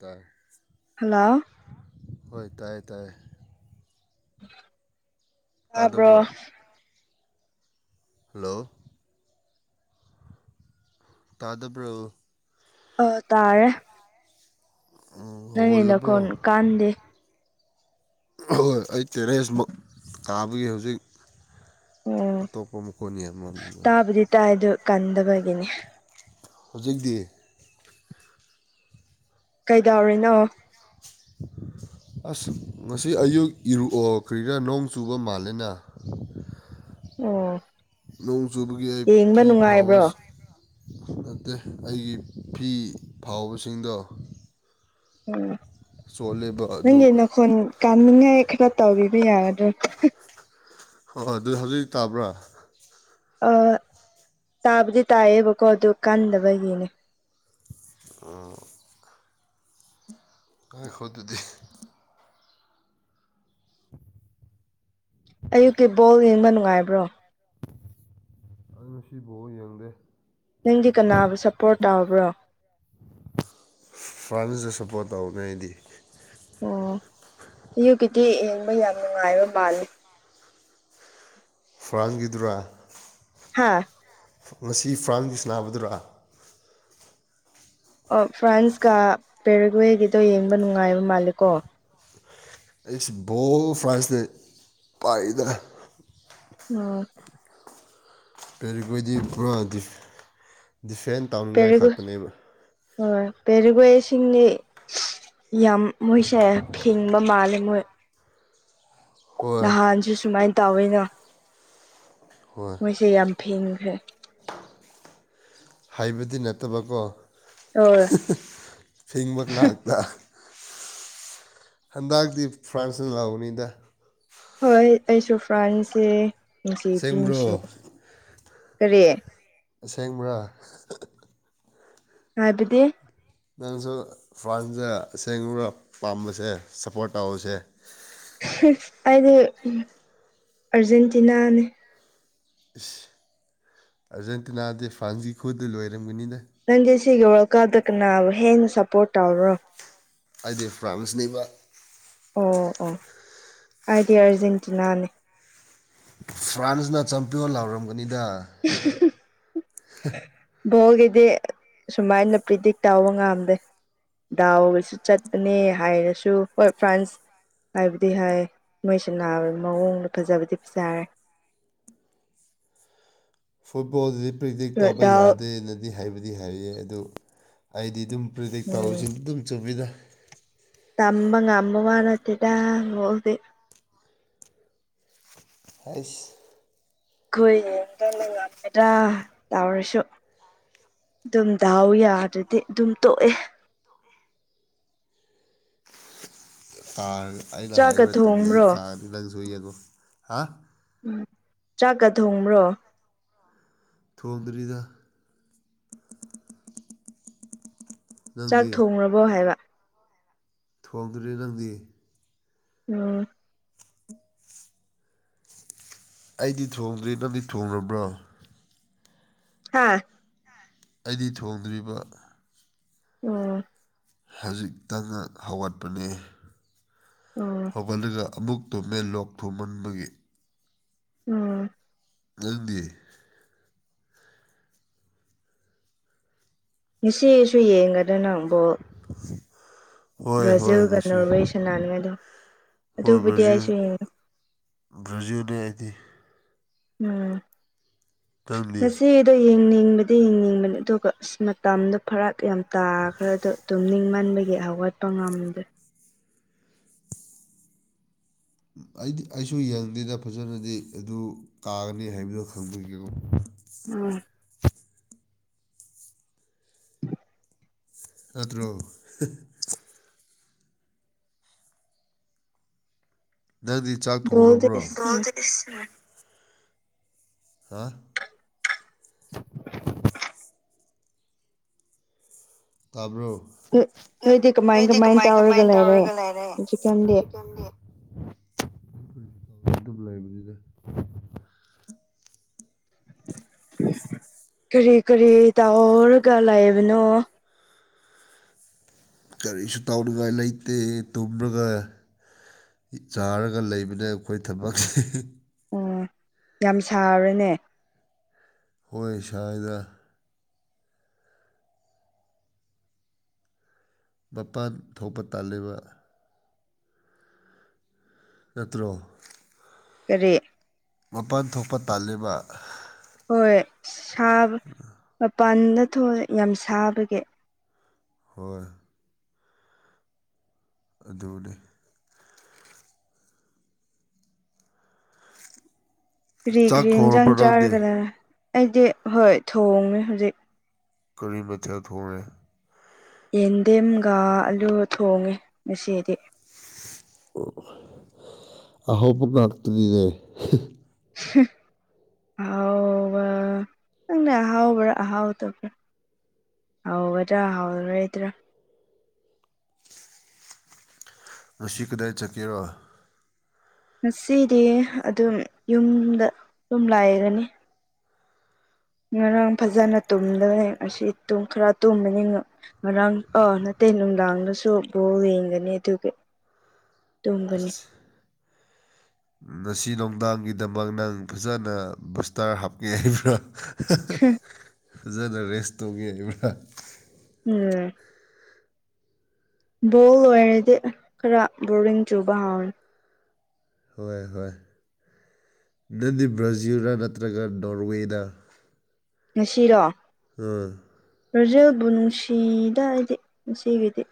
ꯇꯔ ꯍꯜꯂꯣ ꯍꯣꯏ ꯇꯥꯏꯌꯦ ꯇꯥꯏꯌꯦ ꯌꯥꯥꯕ꯭ꯔꯣ ꯇꯥꯗꯕ꯭ꯔꯣ ꯍꯜꯂꯣ ꯇꯥꯗ ꯄ꯭ꯔꯣ ꯇꯥꯔꯦ ꯎꯝ ꯅꯪꯒꯤ ꯍꯒꯜꯂꯦ ꯄꯨ꯭ꯔꯣ ꯅꯈꯣꯟ ꯀꯥꯟꯗꯦ ꯍꯣꯏ ꯑꯩ ꯇꯦꯔꯁ ꯇꯥꯕꯒꯤ ꯍꯧꯖꯤꯛ ꯑꯣ ꯑꯇꯣꯄꯃꯀꯅꯤꯦꯝ ꯑꯃ ꯇꯥꯏꯗꯨ ꯀꯟꯗꯕꯒꯤꯅꯤ ꯍꯧꯖꯤꯛꯇꯤ ꯀꯩꯗꯧꯔꯤꯅꯣ ꯑꯁ ꯉꯁꯤ ꯑꯌꯨꯛ ꯏꯔꯨꯑꯣꯈ꯭ꯔꯤꯔꯥ ꯅꯣꯡ ꯆꯨꯕ ꯃꯥꯜꯂꯦꯅ ꯎꯝ ꯅꯣꯡ ꯆꯨꯕꯒꯤ ꯑꯩ ꯐꯤ ꯐꯥꯎꯋꯁ ꯅꯠꯇꯦ ꯑꯩꯒꯤ ꯐꯤ ꯐꯥꯎꯕꯁꯤꯡꯗꯣ ꯎꯝ ꯆꯣꯠꯂꯦꯕ ꯑꯗꯨ ꯅꯪꯒꯤ ꯅꯈꯣꯟꯜ ꯀꯥꯅꯤꯡꯉꯥꯏ ꯈꯔ ꯇꯧꯕꯤꯕ ꯌꯥꯒꯗ꯭ꯔꯥ ꯍꯣꯏꯣꯏ ꯑꯗꯨ ꯍꯧꯖꯤꯛ ꯇꯥꯕ꯭ꯔꯥ ꯇꯥꯕꯨꯗꯤ ꯇꯥꯏꯌꯦꯕꯀꯣ ꯑꯗꯨ ꯀꯥꯟꯗꯕꯒꯤꯅꯦ ꯑ ꯑꯩꯈꯣ ꯑꯗꯨꯗꯤ ꯑꯌꯨꯛꯀꯤ ꯕꯣꯜ ꯌꯦꯡꯕ ꯅꯨꯡꯉꯥꯏꯕ꯭ꯔꯣ ꯑꯗꯨꯅ ꯁꯤꯕꯨꯥꯎ ꯌꯦꯡꯗꯦ ꯅꯪꯗꯤ ꯀꯅꯥꯕꯨ ꯁꯞꯄꯣꯔꯠ ꯇꯥꯕ꯭ꯔꯣ ꯐ꯭ꯔꯥꯟꯁꯇ ꯁꯞꯄꯣꯔꯠ ꯇꯧꯉꯥꯏꯗꯤ ꯑꯣ ꯑꯌꯨꯛꯀꯤꯗꯤꯤ ꯌꯦꯡꯕ ꯌꯥꯝ ꯅꯨꯡꯉꯥꯏꯕ ꯃꯥꯜꯂꯤ ꯐꯣꯔꯥꯟꯒꯤꯗꯨꯔꯥ ꯍꯥꯥ ꯉꯁꯤ ꯐꯥꯝꯒꯤꯁ ꯅꯥꯕꯗꯨꯔꯥ ꯑꯣ ꯐ꯭ꯔꯥꯟꯁꯀ ꯄꯦꯔꯒꯋꯦꯒꯤꯗꯣ ꯌꯦꯡꯕ ꯅꯨꯡꯉꯥꯏꯕ ꯃꯥꯜꯂꯦꯀꯣ ꯑꯩꯁꯤ ꯕꯣꯜ ꯐ꯭ꯔꯥꯟꯁꯇ ꯄꯥꯏꯗꯅ ꯎꯝ ꯀꯔꯤꯈꯣꯏꯗꯤ ꯄꯨꯔꯥ ꯗꯤꯐ꯭ꯔꯦꯟ ꯇꯧꯅꯤꯡꯉꯥꯏ ꯄꯦꯔꯒ ꯈꯥꯛꯇꯅꯦꯕ ꯍꯣꯏ ꯄꯦꯔꯤꯒ ꯏꯁꯤꯡꯅꯤ ꯌꯥꯝ ꯃꯣꯏꯁꯦ ꯐꯤꯡꯕ ꯃꯥꯜꯂꯦ ꯃꯣꯏ ꯍꯣꯏ ꯅꯍꯥꯟꯁꯨ ꯁꯨꯃꯥꯏꯅ ꯇꯧꯋꯤꯅ ꯍꯣꯏ ꯃꯣꯏꯁꯦ ꯌꯥꯝ ꯐꯤꯡꯈ꯭ꯔꯦ ꯍꯥꯏꯕꯗꯤ ꯅꯠꯇꯕꯀꯣ ꯑꯣ ꯐꯤꯡꯕ ꯉꯥꯛꯇ ꯍꯟꯗꯛꯇꯤ ꯐ꯭ꯔꯥꯟꯁꯅ ꯂꯧꯅꯤꯗ ꯍꯣꯏ ꯑꯩꯁꯨ ꯐ꯭ꯔꯥꯟꯁꯦ ꯅꯨꯡꯁꯤꯕꯤ ꯑꯁꯦꯡꯕ꯭ꯔꯣ ꯅꯨꯡꯁꯤ ꯀꯔꯤ ꯑꯁꯦꯡꯕ꯭ꯔꯥ ꯍꯥꯏꯕꯗꯤ ꯅꯪꯁꯨ ꯐ꯭ꯔꯥꯟꯁꯗ ꯑꯁꯦꯡꯕꯥꯔ ꯄꯥꯝꯕꯁꯦ ꯁꯞꯄꯣꯔꯠ ꯇꯧꯕꯁꯦ ꯑꯩꯗꯤ ꯑꯔꯖꯦꯟꯇꯤꯅꯥꯅꯦ ꯏꯁ ꯑꯥꯔꯖꯦꯟꯇꯤꯅꯥꯗꯤ ꯐ꯭ꯔꯥꯟꯁꯒꯤ ꯈꯨꯗ ꯂꯣꯏꯔꯝꯒꯅꯤꯅꯦ ꯅꯪꯁꯦ ꯁꯤꯒꯤ ꯋꯥꯔꯜ ꯀꯥꯞꯇ ꯀꯅꯥꯕꯨ ꯍꯦꯟꯅ ꯁꯞꯄꯣꯔꯠ ꯇꯧꯕꯔꯣ ꯑꯩꯗꯤ ꯐ꯭ꯔꯥꯁꯟꯅꯤꯕ ꯑꯣ ꯑꯣ ꯑꯩꯗꯤ ꯑꯔꯖꯦꯟꯇꯤꯅꯥꯅꯦ ꯐ꯭ꯔꯥꯟꯁꯅ ꯆꯝꯄꯤꯌꯣꯟ ꯂꯥꯎꯔꯝꯒꯅꯤꯗ [inaudible] ꯍ ꯚꯣꯜꯒꯤꯗꯤ ꯁꯨꯃꯥꯏꯅ ꯄ꯭ꯔꯤꯗꯤꯛ ꯇꯧꯕ ꯉꯝꯗꯦ ꯗꯥꯎꯒꯁꯨ ꯆꯠꯄꯅꯦ ꯍꯥꯏꯔꯁꯨ ꯍꯣꯏ ꯐ꯭ꯔꯥꯟꯁ ꯍꯥꯏꯕꯗꯤ ꯍꯥꯏ ꯅꯣꯏ ꯁꯥꯟꯅꯥꯕ ꯃꯑꯣꯡꯗꯣ ꯐꯖꯕꯗꯤ ꯐꯖꯥꯔꯦ ꯐꯨꯠꯕꯣꯜꯗꯨꯗꯤ ꯄ꯭ꯔꯦꯛꯇꯤꯛ ꯑꯗꯨꯒ ꯇꯧꯕ ꯗꯥꯎ ꯌꯥꯗꯦꯅꯗꯤ ꯍꯥꯏꯕꯗꯤ ꯍꯥꯏꯌꯦ ꯑꯗꯨ ꯑꯩꯗꯤ ꯑꯗꯨꯝ ꯄ꯭ꯔꯤꯗꯤꯛ ꯇꯥꯎꯕꯁꯨ ꯎꯝ ꯑꯗꯨꯝ ꯆꯨꯝꯕꯤꯗ ꯇꯝꯕ ꯉꯥꯝꯕ ꯋꯥ ꯅꯠꯇꯦꯗ ꯕꯣꯜꯗꯤ ꯑꯁ ꯑꯩꯈꯣꯏ ꯌꯦꯡꯗꯅ ꯉꯝꯃꯦꯗ꯭ꯔꯥ ꯇꯧꯔꯁꯨ ꯑꯗꯨꯝ ꯗꯥꯎ ꯌꯥꯗ꯭ꯔꯗꯤ ꯑꯗꯨꯝ ꯇꯣꯛꯑꯦ ꯥ ꯑꯩꯅ ꯆꯥꯛꯀ ꯍꯥꯏꯔꯤꯕ ꯇꯤꯟ ꯊꯣꯡꯕ꯭ꯔꯣ ꯀꯥꯗꯤ ꯅꯪ ꯁꯨꯏ ꯌꯦꯡꯉꯣ ꯍꯥ ꯎꯝ ꯆꯥꯛꯀ ꯊꯣꯡꯕ꯭ꯔꯣ ꯊꯣꯡꯝꯗ꯭ꯔꯤꯗ ꯆꯥꯛ ꯅꯪꯗꯤ ꯊꯣꯡꯡꯂꯔꯕꯣ ꯍꯥꯏꯕ ꯊꯣꯡꯗꯔꯤ ꯅꯪꯗꯤ ꯎꯝ ꯑꯩꯗꯤ ꯊꯣꯡꯗ꯭ꯔꯤ ꯅꯪꯗꯤ ꯊꯣꯡꯑꯕ꯭ꯔꯣ ꯍꯥꯥ ꯑꯩꯗꯤ ꯊꯣꯡꯗ꯭ꯔꯤꯕ ꯎꯝ ꯍꯧꯖꯤꯛꯇ ꯍꯧꯒꯠꯄꯅꯦ ꯎꯝ ꯍꯧꯒꯠꯂꯒ ꯑꯃꯨꯛ ꯇꯨꯝꯃꯦ ꯂꯣꯛ ꯊꯨꯝꯃꯟꯕꯒꯤ ꯎꯝ ꯅꯪꯗꯤ ꯉꯁꯤꯁꯨ ꯌꯦꯡꯒꯗ ꯅꯪ ꯕꯣꯜ [inaudible] ꯍꯣꯏ ꯍꯣꯏ ꯕ꯭ꯔꯥꯖꯤꯜꯒ ꯉꯁꯤ ꯅꯣꯔꯋꯦ ꯁꯥꯟꯅꯅꯤꯡꯉꯥꯏꯗꯣ ꯍꯣꯏ ꯑꯗꯨꯕꯨꯗꯤ ꯑꯩꯁꯨ ꯌꯦꯡꯉꯦ ꯭ꯕꯔꯖꯤꯅꯤ ꯑꯩꯗꯤ ꯎꯝ ꯅꯪꯗꯤ ꯉꯁꯤꯗꯣ ꯌꯦꯡꯅꯤꯡꯕꯗꯤ ꯌꯦꯡꯅꯤꯡꯕꯅꯤ ꯑꯗꯨꯒ ꯑꯁ ꯃꯇꯝꯗꯣ ꯐꯔꯛ ꯌꯥꯝ ꯇꯥꯈ꯭ꯔꯗꯣ ꯇꯨꯝꯅꯤꯡꯃꯟꯕꯒꯤ ꯍꯧꯒꯠꯄ ꯉꯝꯗ꯭ꯔꯦ ꯑꯩꯗꯤ ꯑꯩꯁꯨ ꯌꯦꯡꯗꯦꯗ ꯐꯖꯅꯗꯤ ꯑꯗꯨ ꯇꯥꯒꯅꯤ ꯍꯥꯏꯕꯗꯨ ꯈꯪꯕꯤꯒꯣ ꯎꯝ ꯇꯗ꯭ꯔꯣ ꯅꯪꯗꯤ ꯆꯥꯛ ꯕꯣꯜꯗꯤ ꯊꯣꯡꯔꯕ꯭ꯔꯣ ꯏꯁ ꯅꯣꯏ ꯍꯥꯥ ꯭ꯇꯕꯔꯣ ꯅꯣꯏꯗꯤ ꯀꯃꯥꯏ ꯀꯃꯥꯏ ꯇꯧꯔꯒ ꯂꯩꯔꯦ ꯍꯧꯖꯤꯛꯀꯥꯟꯗꯤ ꯍꯧꯖꯤꯛꯀꯟꯗꯤ ꯂꯩꯥꯏꯕꯔꯤꯗ ꯀꯔꯤ ꯀꯔꯤ ꯇꯧꯔꯒ ꯂꯥꯛꯏꯕꯅꯣ ꯀꯔꯤꯁꯨ ꯇꯥꯎꯅꯤꯡꯉꯥꯏ ꯂꯩꯇꯦ ꯇꯨꯝꯔꯒ ꯆꯥꯔꯒ ꯂꯩꯕꯅ ꯑꯩꯈꯣꯏ ꯊꯕꯛꯁꯦ ꯑꯣ ꯌꯥꯝ ꯁꯥꯕ꯭ꯔꯅꯦ ꯍꯣꯏ ꯁ꯭ꯋꯥꯏꯗ ꯃꯄꯥꯟ ꯊꯣꯛꯄ ꯇꯥꯜꯂꯤꯕ ꯅꯠꯇ꯭ꯔꯣ ꯀꯔꯤ ꯃꯄꯥꯟ ꯊꯣꯛꯄ ꯇꯥꯜꯂꯤꯕ ꯍꯣꯏ ꯁꯥꯕ ꯃꯄꯥꯟꯗ ꯊꯣꯛꯑ ꯌꯥꯝ ꯁꯥꯕꯒꯤ ꯍꯣꯏ ꯑꯗꯨꯅꯦ [inaudible] ꯀꯔꯤ ꯆꯥꯛ ꯀꯔꯤ ꯏꯟꯁꯥꯡ ꯊꯣꯡꯔꯕꯣ ꯅꯪꯗꯤ ꯆꯥꯔꯒꯅ ꯑꯩꯗꯤ ꯍꯣꯏ ꯊꯣꯡꯉꯦ ꯍꯧꯖꯤꯛ ꯀꯔꯤ ꯃꯆꯥ ꯊꯣꯡꯉꯦ ꯌꯦꯟꯗꯦꯝꯒ ꯑꯂꯨ ꯊꯣꯡꯉꯦ ꯉꯁꯤꯗꯤ [unintelligible] ꯑꯍꯥꯎꯕ ꯉꯛꯇꯅꯤꯅꯦ ꯑꯥꯎ ꯅꯪꯅ ꯑꯍꯥꯎꯕ꯭ꯔꯥ ꯑꯍꯥꯎꯗꯕ꯭ꯔꯥ ꯍꯥꯎꯒꯗ꯭ꯔꯥ ꯍꯥꯎꯔꯣꯏꯗ꯭ꯔꯥ ꯃꯁꯤ ꯀꯗꯥꯏ ꯆꯠꯀꯦꯔꯣ ꯉꯁꯤꯗꯤ ꯑꯗꯨꯝ ꯌꯨꯝꯗ ꯑꯗꯨꯝ ꯂꯥꯏꯔꯅꯤ ꯉꯔꯥꯡ ꯐꯖꯅ ꯇꯨꯝꯗꯕꯅꯤ ꯑꯁꯤ ꯈꯔ ꯇꯨꯝꯕꯅꯤ ꯉꯔꯥꯡ ꯑꯥ ꯅꯠꯇꯦ ꯅꯨꯡꯗꯥꯡꯗꯁꯨ ꯕꯣꯜ ꯌꯦꯡꯒꯅꯤ ꯑꯗꯨꯒꯤ ꯇꯨꯝꯒꯅꯤ ꯑꯁ [inaudible] ꯉꯁꯤ ꯅꯣꯛꯗꯥꯡꯒꯤꯗꯃꯛ ꯅꯪ ꯐꯖꯅ ꯕꯨꯁꯇꯔ ꯍꯥꯞꯀꯦ ꯍꯥꯏꯕ꯭ꯔꯥ [unintelligible] ꯐꯖꯅ ꯔꯦꯁ ꯇꯧꯒꯦ ꯍꯥꯏꯕ꯭ꯔꯥ ꯎꯝ ꯕꯣꯜ ꯑꯣꯏꯔꯗꯤ ꯈꯔ ꯕꯣꯔꯤꯡ ꯆꯨꯕ ꯍꯥꯎꯔꯅꯤ ꯍꯣꯏ ꯍꯣꯏ ꯅꯪꯗꯤ ꯕ꯭ꯔꯖꯤꯜꯗ ꯅꯠꯇ꯭ꯔꯒ ꯅꯣꯔꯋꯦꯗ ꯉꯁꯤꯔꯣ ꯎꯝ ꯕ꯭ꯔꯖꯦꯜꯕꯨ ꯅꯨꯡꯁꯤꯗꯥ ꯑꯩꯗꯤ ꯉꯁꯤꯒꯤꯗꯤ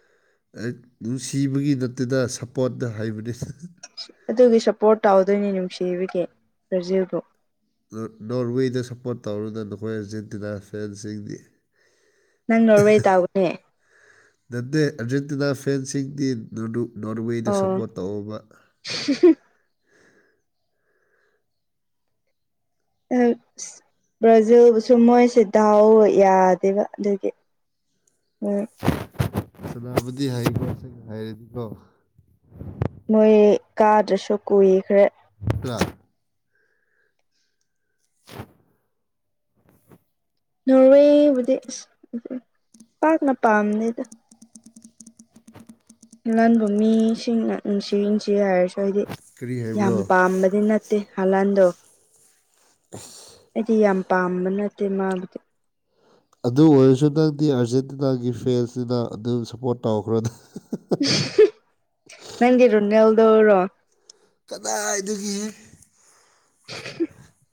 ꯑꯩ ꯅꯨꯡꯁꯤꯕꯒꯤ ꯅꯠꯇꯗꯦꯗꯥ ꯁꯞꯄꯣꯔꯠꯅ ꯍꯥꯏꯕꯅꯤ ꯑꯗꯨꯒꯤ ꯁꯞꯄꯣꯔꯠ ꯇꯧꯗꯣꯏꯅꯤ ꯅꯨꯡꯁꯤꯕꯒꯤ ꯄ꯭ꯔꯖꯤꯕꯨ ꯅꯣꯔꯋꯦꯗ ꯁꯞꯄꯣꯔꯠ ꯇꯧꯔꯅ ꯅꯈꯣꯏ ꯑꯥꯔꯖꯦꯟꯇꯤꯅꯥ ꯐꯦꯟꯁꯤꯡꯗꯤ ꯅꯪ ꯅꯣꯔꯋꯦ ꯇꯥꯎꯕꯅꯤ ꯅꯠꯇꯦ ꯑꯔꯖꯦꯟꯇꯤꯅꯥ ꯐꯦꯟꯁꯤꯡꯗꯤ ꯅꯣꯔꯋꯦꯗ ꯑꯣ ꯁꯞꯄꯣꯔꯠ ꯇꯧꯕ [unintelligible] ꯕ꯭ꯔꯥꯖꯤꯜꯁꯨ ꯃꯣꯏꯁꯤ ꯗꯥꯎ ꯌꯥꯗꯦꯕ ꯑꯗꯨꯗꯤ ꯎꯝ ꯁꯗꯥꯕꯗꯤ ꯍꯥꯏꯕꯣꯁ ꯍꯥꯏꯔꯦꯗꯤꯀꯣ ꯃꯣꯏ ꯀꯥꯗꯁꯨ ꯀꯨꯏꯈ꯭ꯔꯦ [unintelligible] [inaudible] ꯅꯣꯔꯋꯦꯕꯨꯗꯤ ꯑꯁ ꯄꯥꯛꯅ ꯄꯥꯝꯅꯦꯗ [inaudible] ꯍꯕ ꯃꯤꯁꯤꯡꯅ ꯅꯨꯡꯁꯤ ꯅꯨꯡꯁꯤ ꯍꯥꯏꯔꯁꯨ ꯍꯥꯏꯗꯤ ꯀꯔꯤ ꯌꯥꯝ ꯍꯥꯏꯕ꯭ꯔꯣ ꯄꯥꯝꯕꯗꯤ ꯅꯠꯇꯦ ꯇꯦ ꯍꯂꯥꯜꯗꯣ [inaudible] ꯑꯩꯗꯤ ꯌꯥꯝ ꯄꯥꯝꯕ ꯅꯠꯇꯦ ꯃꯥꯕꯨꯗꯤ ꯑꯗꯨ ꯑꯣꯏꯔꯁꯨ ꯅꯪꯗꯤ ꯑꯥꯔꯖꯦꯟꯇꯤꯅꯥꯒꯤ ꯐꯦꯟꯁꯁꯤꯅ ꯑꯗꯨꯝ ꯁꯞꯄꯣꯔꯠ ꯇꯧꯈ꯭ꯔꯣꯅꯦ ꯅꯗꯤ ꯔꯣꯅꯦꯜꯗꯧꯔꯣ ꯀꯗꯥꯏꯗꯨꯒꯤ [inaudible]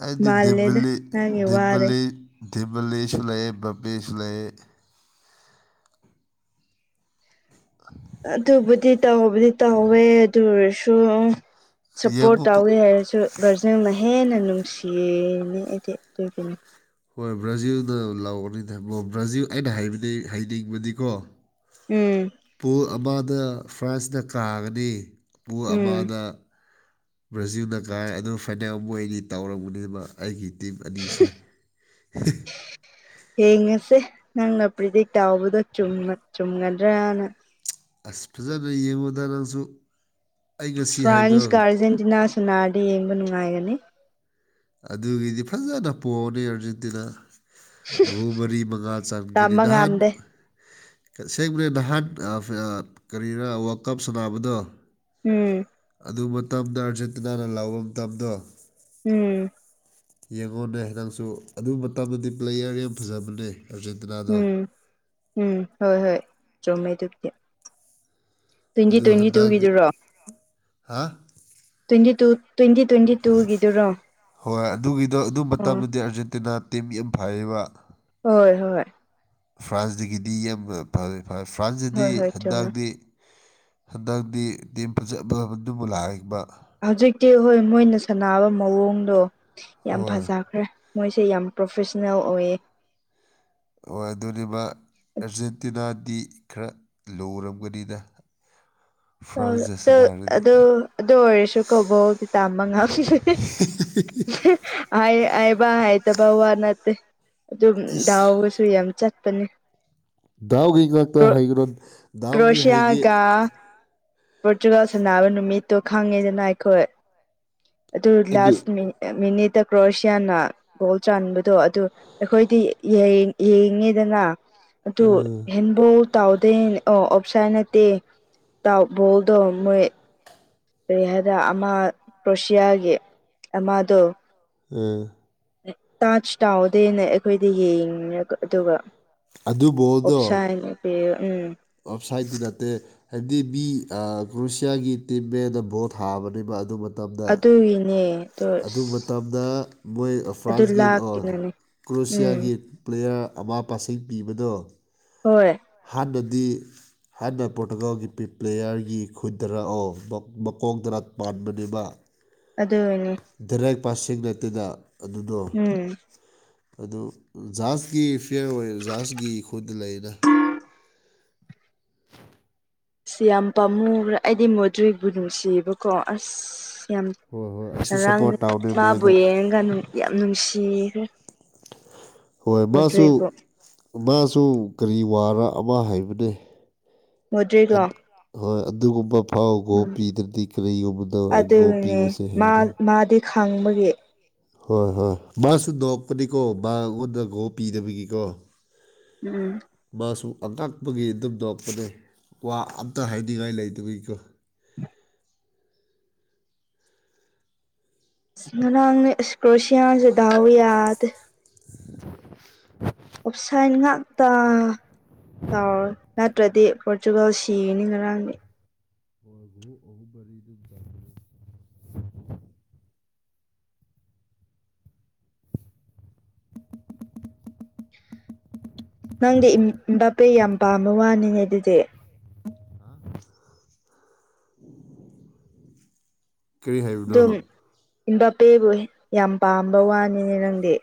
ꯍꯥꯏꯗꯤ ꯃꯥꯜꯂꯦꯗ ꯗꯦꯕꯜꯂꯤ ꯅꯪꯒꯤ ꯋꯥꯗꯩ ꯗꯦꯞꯕꯜꯂꯤ ꯗꯤꯕꯂꯦꯁ ꯂꯩ ꯕꯄꯦꯁ ꯂꯩ ꯑꯗꯨꯕꯨꯗꯤ ꯇꯧꯕꯨꯗꯤ ꯇꯧꯋꯦ ꯑꯗꯨ ꯑꯣꯏꯔꯁꯨ ꯁꯞꯄꯣꯔꯠ ꯌꯦꯡꯉꯨ ꯇꯧꯋꯦ ꯍꯥꯏꯔꯁꯨ ꯕ꯭ꯔꯥꯖꯤꯜꯅ ꯍꯦꯟꯅ ꯅꯨꯡꯁꯤꯅꯦ ꯑꯩꯗꯤ ꯑꯗꯨꯒꯤꯅꯤ ꯍꯣꯏ ꯕ꯭ꯔꯥꯖꯤꯜꯅ ꯂꯥꯎꯒꯅꯤꯗꯕꯣ ꯕ꯭ꯔꯥꯖꯤꯜ ꯑꯩꯅꯕ ꯍꯥꯏꯕꯗꯤ ꯍꯥꯏꯅꯤꯡꯕꯗꯤꯀꯣ ꯎꯝ ꯄꯨꯡ ꯑꯃꯗ ꯐ꯭ꯔꯥꯟꯁꯅ ꯀꯥꯒꯅꯤ ꯄꯨꯡ ꯎꯝ ꯑꯃꯗ ꯕ꯭ꯔꯥꯖꯤꯜꯅ ꯀꯥꯏ ꯑꯗꯨ ꯐꯥꯅꯤꯌꯝ ꯃꯣꯏꯒꯤ ꯇꯧꯔꯝꯒꯅꯦꯕ ꯑꯩꯒꯤ ꯇꯤꯝ ꯑꯅꯤꯁꯦ ꯌꯦꯡꯉꯁꯦ ꯅꯪꯅ ꯄ꯭ꯔꯤꯗꯤꯛ ꯇꯥꯎꯕꯗꯣ ꯆꯨꯝꯒꯗ꯭ꯔꯅ ꯑꯁ ꯐꯖꯅ ꯌꯦꯡꯉꯨꯗ ꯅꯪꯁꯨ ꯑꯩ ꯉꯁꯤ ꯐ꯭ꯔꯥꯟꯁꯀ ꯍꯥꯏꯕꯗꯣ ꯑꯥꯔꯖꯦꯟꯇꯤꯅꯥ ꯁꯣꯅꯥꯔꯗ ꯌꯦꯡꯕ ꯅꯨꯡꯉꯥꯏꯒꯅꯤ ꯑꯗꯨꯒꯤꯗꯤ ꯐꯖꯅ ꯄꯣꯛꯑꯅꯤ ꯑꯥꯔꯖꯦꯟꯇꯤꯅꯥ ꯒꯣꯕꯔꯤ ꯃꯉꯥ ꯆꯥꯟꯒꯅꯤ ꯇꯝꯕ ꯅꯍꯥꯟ ꯉꯝꯗꯦ ꯁꯦꯡꯕꯅꯦ ꯅꯍꯥꯟ ꯀꯔꯤꯅ ꯋꯥꯔꯜ ꯀꯞ ꯁꯥꯟꯅꯕꯗꯣ ꯎꯝ ꯑꯗꯨ ꯃꯇꯝꯗ ꯑꯔꯆꯠꯇꯅꯥꯅ ꯂꯥꯛꯕ ꯃꯇꯝꯗꯣ ꯎꯝ ꯌꯦꯡꯉꯣꯅꯦ ꯅꯪꯁꯨ ꯑꯗꯨ ꯃꯇꯝꯗꯗꯤ ꯄ꯭ꯂꯦꯌꯔ ꯌꯥꯝ ꯐꯖꯕꯅꯦ ꯑꯔꯖꯦꯟ ꯎꯝ ꯎꯝ ꯍꯣꯏ ꯍꯣꯏ ꯆꯣꯡꯃꯦ ꯑꯗꯨꯕꯨꯗꯤ ꯇ꯭ꯋꯦꯟꯇꯤ ꯑꯗꯨ ꯍꯟꯗꯛꯇꯤ ꯇ꯭ꯋꯦꯟꯇꯤꯨꯒꯤꯗꯨꯔꯣ ꯍꯥ ꯇꯗꯤ ꯇꯨ ꯇ꯭ꯋꯦꯟꯇꯤ ꯇ꯭ꯋꯦꯟꯇꯤ ꯇꯨꯒꯤꯗꯨꯔꯣ ꯍꯣꯏ ꯑꯗꯨꯒꯤꯗꯣ ꯑꯗꯨ ꯑꯣ ꯃꯇꯝꯗꯨꯗꯤ ꯑꯥꯔꯖꯦꯟꯇꯤꯅꯥ ꯇꯤꯝ ꯌꯥꯝ ꯐꯩꯌꯦꯕ ꯍꯣꯏ ꯍꯣꯏ ꯐ꯭ꯔꯥꯟꯁꯇꯒꯤꯗꯤ ꯌꯥꯝꯕ ꯐꯦ ꯐꯦ ꯐ꯭ꯔꯥꯟꯁꯇꯗꯤ ꯍꯣꯏ ꯍꯣꯏ ꯆꯨꯝꯃꯦ ꯍꯟꯗꯛꯗꯤ ꯍꯟꯗꯛꯇꯤ ꯇꯤꯝ ꯐꯖ ꯐꯕꯗꯨꯕꯨ ꯂꯥꯛꯏꯕ ꯍꯧꯖꯤꯛꯇꯤ ꯍꯣꯏ ꯃꯣꯏꯅ ꯁꯥꯟꯅꯕ ꯃꯑꯣꯡꯗꯣ ꯌꯥꯝ ꯍꯣꯏ ꯐꯖꯈ꯭ꯔꯦ ꯃꯣꯏꯁꯦ ꯌꯥꯝ ꯄ꯭ꯔꯣꯐꯦꯁꯅꯦꯜ ꯑꯣꯏꯌꯦ ꯍꯣꯏ ꯑꯗꯨꯅꯦ ꯃꯥ ꯑꯔꯖꯦꯟꯇꯤꯅꯥꯗꯤ ꯈꯔ ꯂꯔꯝꯒꯅꯤꯅ ꯑ ꯑꯗꯨ ꯑꯗꯨꯗꯣ ꯑꯗꯨ ꯑꯣꯏꯔꯁꯨ ꯀꯕꯣꯗꯤ ꯇꯥꯃ ꯉꯁꯦ ꯍꯥꯏꯕ ꯍꯥꯏ ꯇꯎ ꯋꯥ ꯅꯠꯇ ꯑꯗꯨ ꯏꯁ ꯑꯣ ꯁꯨ ꯌꯥꯝ ꯆꯠꯄꯅꯦ ꯗꯥꯎꯒꯤ ꯉꯥꯛꯇ ꯍꯩꯒ ꯗꯥꯎꯒꯤ ꯍꯩꯒꯤ ꯄꯣꯔꯇꯨꯒꯥꯜ ꯁꯥꯟꯅꯕ ꯅꯨꯃꯤꯠꯇꯣ ꯈꯪꯉꯦꯗꯅ ꯑꯩꯈꯣꯏ ꯑꯗꯨ ꯂꯥꯁ ꯅꯨꯃꯤꯠ ꯃꯤꯅꯤꯗ ꯀ꯭ꯔꯣꯁꯌꯥꯅꯅꯥ ꯒꯣꯜ ꯆꯥꯟꯕꯗꯣ ꯑꯗꯨ ꯑꯩꯈꯣꯏꯗꯤ ꯌꯦꯡꯉꯤ ꯌꯦꯡꯉꯤꯗꯅ ꯑꯗꯨ ꯑꯥ ꯍꯦꯟꯕꯧ ꯇꯥꯎꯗꯦ ꯑꯣ ꯑꯣꯞꯁꯥꯏ ꯅꯠꯇꯦ ꯇꯥꯎꯕꯣꯗꯣ ꯃ ꯀꯔꯤ ꯍꯥꯏꯗ ꯑꯃ ꯀ꯭ꯔꯣꯁꯤꯌꯥꯒꯤ ꯑꯃꯗꯣ ꯑꯥ ꯇꯥꯁꯨ ꯇꯥꯎꯗꯦꯅ ꯑꯩꯈꯣꯏꯗ ꯌꯦꯡꯤ ꯑꯗꯨꯒ ꯑꯗꯨ ꯑꯣꯞꯁꯥ [unintelligible] ꯎꯝ ꯑꯣꯞꯁꯥꯏꯠꯗꯤ ꯅꯠꯇꯦ ꯍꯥꯏꯕꯗꯤ ꯃꯤ ꯑ ꯀ꯭ꯔꯣꯁꯤꯌꯥꯒꯤ ꯇꯤꯝ ꯃꯤꯗꯇ ꯕꯣꯜ ꯊꯥꯕꯅꯦꯕ ꯑꯗꯨ ꯃꯇꯝꯗ ꯑꯗꯨꯒꯤꯅꯦ ꯑꯗꯣ ꯑꯗꯨ ꯑꯁ ꯃꯇꯝꯗ ꯃꯣꯏ ꯑꯗꯨ ꯐ꯭ꯔꯥꯟꯁꯀꯤ ꯑꯣ ꯂꯥꯛꯀꯅꯅꯦ ꯎꯝ ꯀ꯭ꯔꯣꯁꯤꯌꯥꯒꯤ ꯄ꯭ꯂꯦꯌꯥꯔ ꯑꯃ ꯄꯥꯁꯤꯡ ꯄꯤꯕꯗꯣ ꯍꯣꯏ ꯍꯥꯟꯅꯗꯤ ꯍꯥꯟꯅ ꯄꯣꯔꯇꯨꯒꯥꯜꯒꯤ ꯄꯤ ꯄ꯭ꯂꯦꯌꯥꯔꯒꯤ ꯈꯨꯟꯗꯔꯑꯣ ꯃꯀꯣꯛꯗꯔ ꯄꯥꯟꯕꯅꯦꯕ ꯑꯗꯨ ꯑꯣꯏꯅꯦ ꯗꯤꯔꯦꯛ ꯄꯥꯁꯤꯡ ꯅꯠꯇꯅ ꯑꯗꯨꯗꯣ ꯎꯝ ꯑꯗꯨ ꯖꯍꯥꯖꯀꯤ ꯐꯥꯏꯔ ꯑꯣꯏ ꯖꯥꯁꯒꯤ ꯈꯨꯗꯇ ꯂꯩꯅ ꯁꯤ ꯌꯥꯝ ꯄꯥꯝꯃꯨꯒꯔꯦ ꯑꯩꯗꯤ ꯃꯣꯗ꯭ꯔꯤ ꯅꯨꯡꯁꯤꯑꯦꯕꯀꯣ ꯑꯁ ꯌꯥꯝ ꯍꯣꯏ ꯍꯣꯏ ꯑꯩꯁꯨ ꯉꯔꯥꯡ ꯁꯞꯄꯣꯔꯠ ꯇꯧꯅꯦ ꯃꯥꯕꯨ ꯃꯣꯏꯗ ꯌꯦꯡꯉꯒ ꯅꯨꯡ ꯌꯥꯝ ꯅꯨꯡꯁꯤꯈꯔ꯭ꯦ ꯍꯣꯏ ꯃꯥꯁꯨ ꯃꯥꯁꯨ ꯀꯔꯤ ꯋꯥꯔ ꯑꯃ ꯍꯥꯏꯕꯅꯦ ꯃꯣꯗ꯭ꯔꯤꯛꯂꯣ ꯑꯗ ꯍꯣꯏ ꯑꯗꯨꯒꯨꯝꯕ ꯑꯥꯎ ꯒꯣ ꯎꯝ ꯄꯤꯗ꯭ꯔꯗꯤ ꯀꯔꯤꯒꯨꯝꯕꯗꯣ ꯑꯩ ꯒꯣ ꯑꯗꯨꯅꯦ ꯄꯤꯕꯁꯦ ꯃꯥ ꯍꯥꯏꯗ ꯃꯥꯗꯤ ꯈꯪꯕꯒꯤ ꯍꯣꯏ ꯍꯣꯏ ꯃꯥꯁꯨ ꯅꯣꯛꯄꯅꯤꯀꯣ ꯃꯥꯉꯣꯟꯗ ꯒꯣ ꯄꯤꯗꯕꯒꯤꯀꯣ ꯎꯝ ꯃꯥꯁꯨ ꯑꯉꯛꯄꯒꯤ ꯑꯗꯨꯝ ꯅꯣꯛꯄꯅꯦ ꯋꯥ ꯑꯝꯇ ꯍꯥꯏꯅꯤꯡꯉꯥꯏ ꯂꯩꯇꯕꯒꯤꯀꯣ ꯏꯁ ꯉꯔꯥꯡꯅꯦ ꯏꯁ ꯀ꯭ꯔꯣꯁꯤꯌꯥꯁꯦ ꯗꯥꯎ ꯌꯥꯗꯦ [unintelligible] ꯑꯣꯞꯁꯥꯟ ꯉꯥꯛꯇ ꯇꯥꯎꯔꯦ ꯅꯠꯇ꯭ꯔꯗꯤ ꯄꯣꯔꯇꯨꯒꯜ ꯁꯤꯒꯅꯤ ꯉꯔꯥꯡꯗꯤ [unintelligible] ꯑꯍꯨꯝ ꯃꯔꯤꯗꯤ [unintelligible] ꯅꯪꯗꯤ ꯑꯦꯝ ꯑꯦꯝꯕꯥꯄꯦ ꯌꯥꯝ ꯄꯥꯝꯕ ꯋꯥꯅꯤꯅꯦ ꯑꯗꯨꯗꯤ ꯀꯔꯤ ꯍꯥꯏꯕꯅꯣ ꯑꯦꯝꯕꯥꯄꯦꯕꯨ ꯌꯥꯝ ꯄꯥꯝꯕ ꯋꯥꯅꯤꯅꯦ ꯅꯪꯗꯤ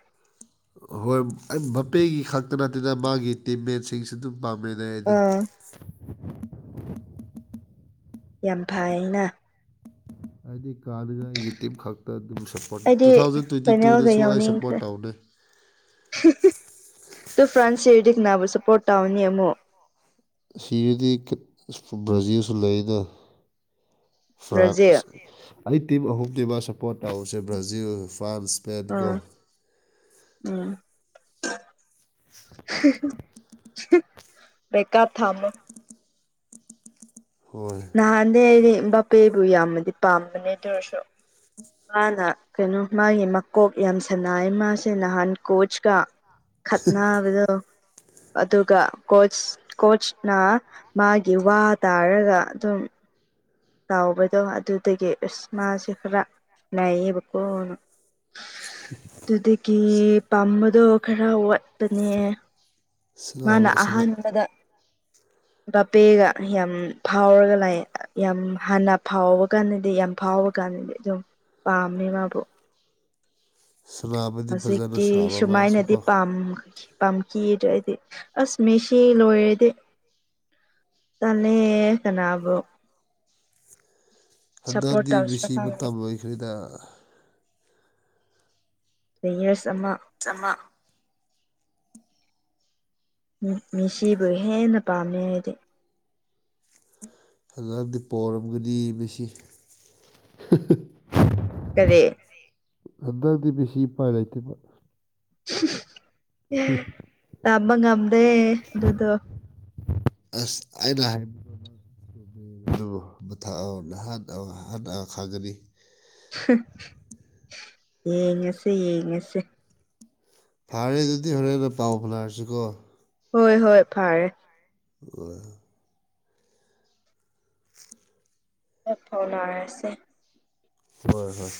ꯍꯣꯏ ꯑꯦꯝꯕꯥꯄꯦꯒꯤ ꯈꯛꯇ ꯅꯠꯇꯦꯗ ꯃꯥꯒꯤ ꯇꯤꯝ ꯃꯦꯠꯁꯤꯡꯁꯨ ꯑꯗꯨꯝ ꯄꯥꯝꯃꯦꯅꯦ ꯑꯩꯗꯤ ꯑꯥ ꯌꯥꯝ ꯐꯥꯏꯅ ꯍꯥꯏꯗꯤ ꯀꯥꯜꯂꯒ ꯇꯤꯝ ꯈꯛꯇ ꯑꯗꯨꯝ ꯁꯞ ꯑꯩꯗꯤ ꯇꯨꯊꯥꯎꯖꯟ ꯐꯥꯏꯅꯦꯜꯒ ꯇ꯭ꯋꯦꯟꯇꯤꯇꯨꯗꯁꯨ ꯑꯩ ꯁꯞꯄꯣꯔꯠ ꯇꯧꯕꯅꯦ ꯇꯨ ꯐ꯭ꯔꯥꯟꯁ ꯁꯤꯔꯗꯤ ꯀꯅꯥꯕꯨ ꯁꯄꯣꯔꯠ ꯇꯥꯎꯅꯤ ꯑꯃꯨꯛ ꯁꯤꯔꯗꯤ ꯕ꯭ꯔꯥꯖꯤꯜꯁꯨ ꯂꯩꯅ ꯕ꯭ꯔꯥꯖꯤꯜ ꯐ꯭ꯔꯥꯟꯁ ꯑꯩ ꯇꯤꯝ ꯑꯍꯨꯝꯅꯤꯕ ꯁꯞꯄꯣꯔꯠ ꯇꯧꯕꯁꯤ ꯕ꯭ꯔꯥꯖꯤꯜ ꯐ꯭ꯔꯥꯟꯁ ꯏꯁꯄꯦꯟ ꯀꯣ ꯑꯣ ꯎꯝ [unintelligible] ꯕꯦꯛꯑꯞ ꯊꯝꯃꯣ ꯍꯣꯏ ꯅꯍꯥꯟꯗꯩ ꯑꯩꯩꯗꯤ ꯕꯥꯄꯦꯕꯨ ꯌꯥꯝꯅꯗꯤ ꯄꯥꯝꯕꯅꯦ ꯑꯗꯨ ꯑꯣꯏꯔꯁꯨ ꯃꯥꯅ ꯀꯩꯅꯣ ꯃꯥꯒꯤ ꯃꯀꯣꯛ ꯌꯥꯝ ꯁꯥꯟꯅꯩ ꯃꯥꯁꯦ ꯅꯍꯥꯟ ꯀꯣꯆꯀ ꯈꯠꯅꯥꯕꯗꯣ ꯑꯗꯨꯒ ꯀꯣꯆ ꯀꯣꯆꯅ ꯃꯥꯒꯤ ꯋꯥ ꯇꯥꯔꯒ ꯑꯗꯨꯝ ꯇꯥꯎꯕꯗꯣ ꯑꯗꯨꯗꯒꯤ ꯏꯁ ꯃꯥꯥꯁꯦ ꯈꯔ ꯅꯩꯌꯦꯕꯀꯣꯅ [unintelligible] ꯑꯗꯨꯗꯒꯤ ꯄꯥꯝꯕꯗꯣ ꯈꯔ ꯋꯥꯠꯄꯅꯦ ꯃꯥꯅ ꯁꯥꯟꯅꯕ ꯑꯍꯥꯟꯕꯗ ꯕꯥꯄꯦꯒ ꯌꯥꯝ ꯐꯥꯎꯔꯒ ꯂꯥꯛꯑꯦ ꯌꯥꯝ ꯍꯥꯟꯅ ꯐꯥꯎꯕ ꯀꯥꯟꯗꯗꯤ ꯌꯥꯝ ꯐꯥꯎꯕ ꯀꯥꯟ ꯗꯤ ꯑꯗꯨꯝ ꯄꯥꯝꯃꯦ ꯃꯥꯕꯨ ꯁꯥꯟꯅꯕꯗꯤ ꯐꯖꯅ ꯍꯧꯖꯤꯛꯇꯤ ꯁꯥꯟꯅꯕ ꯁꯨꯃꯥꯏꯅꯗꯤ ꯃꯥꯁꯨꯀꯣ ꯄꯥꯝ ꯄꯥꯝꯈꯤꯗ꯭ꯔꯗꯤ ꯑꯁ ꯃꯦꯁꯤ ꯂꯣꯏꯔꯗꯤ ꯇꯜꯂꯦ ꯀꯅꯥꯕꯨ꯫ ꯁꯞꯄꯣꯔꯠ ꯍꯟꯗꯛꯗꯤ ꯇꯧꯁꯤꯔ ꯃꯦꯁꯤ ꯈꯪꯗꯦ ꯃꯇꯝ ꯂꯣꯏꯈꯔꯦꯗ꯫ ꯄ꯭ꯂ‌ꯦꯌꯔꯁ ꯑꯃ꯫ ꯆꯥꯃ꯫ ꯃꯦꯁꯤꯕꯨ ꯍꯦꯟꯅ ꯄꯥꯝꯃꯦ ꯑꯩꯗꯤ꯫ ꯐꯂꯝꯗꯤ ꯄꯣꯔꯝꯒꯅꯤ ꯃꯦꯁꯤ꯫ ꯀꯔꯤ꯫ ꯍꯟꯗꯛꯗꯤ ꯃꯦꯁꯤ ꯎꯄꯥꯏ ꯂꯩꯇꯦꯕ ꯇꯝꯕ ꯉꯝꯗꯦ ꯑꯗꯨꯗꯣ꯫ ꯑꯁ ꯑꯩꯅꯥ [unintelligible] [unintelligible] ꯈꯥꯡꯒꯅꯤ꯫ ꯌꯦꯡꯉꯁꯦ ꯌꯦꯡꯉꯁꯦ꯫ ꯐꯥꯔꯦ ꯑꯗꯨꯗꯤ ꯍꯣꯔꯦꯟꯅ ꯄꯥꯎ ꯐꯪ ꯅꯔꯁꯦꯀꯣ꯫ ꯍꯣꯏ ꯍꯣꯏ ꯐꯔꯦ꯫ ꯑꯣ꯫ [unintelligible] ꯍꯣꯏ ꯐꯥꯎꯅꯔꯁꯦ꯫ ꯍꯣꯏ ꯍꯣꯏ꯫